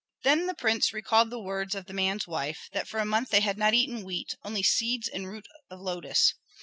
Then the prince recalled the words of the man's wife, that for a month they had not eaten wheat, only seeds and roots of lotus.